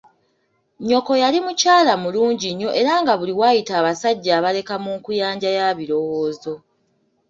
Nnyoko yali mukyala mulungi nnyo era nga buli waayita abasajja abaleka mu nkuyanja ya birowoozo.